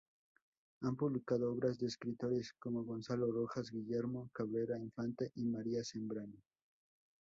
Han publicado obras de escritores como Gonzalo Rojas, Guillermo Cabrera Infante y María Zambrano.